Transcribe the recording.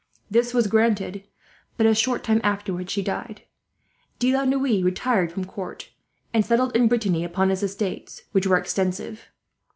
This was granted, but a short time afterwards she died. De La Noue retired from court, and settled in Brittany upon his estates, which were extensive.